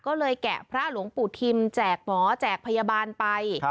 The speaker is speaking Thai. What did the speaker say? ก็เลยแกะพระหลวงปู่ทิมแจกหมอแจกพยาบาลไป